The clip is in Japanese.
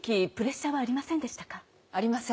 ありません。